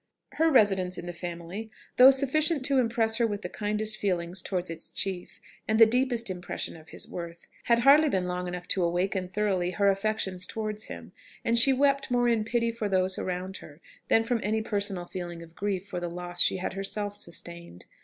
Her residence in the family, though sufficient to impress her with the kindest feelings towards its chief, and the deepest impression of his worth, had hardly been long enough to awaken thoroughly her affections towards him, and she wept more in pity for those around her than from any personal feeling of grief for the loss she had herself sustained.